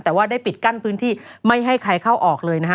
แต่ว่าได้ปิดกั้นพื้นที่ไม่ให้ใครเข้าออกเลยนะฮะ